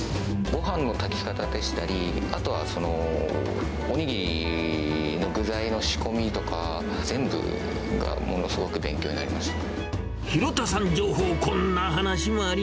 ごはんの炊き方でしたり、あとはその、おにぎりの具材の仕込みとか、全部がものすごく勉強になりました。